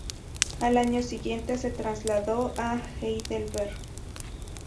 Al año siguiente se trasladó a Heidelberg.